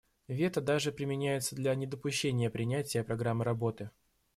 Вето даже применяется для недопущения принятия программы работы.